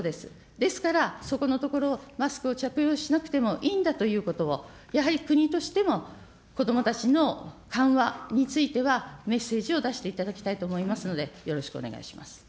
ですから、そこのところ、マスクを着用しなくてもいいんだということを、やはり国としても、子どもたちの緩和についてはメッセージを出していただきたいと思いますので、よろしくお願いします。